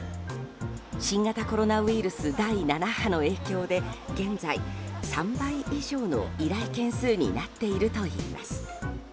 新型コロナウイルス第７波の影響で現在、３倍以上の依頼件数になっているといいます。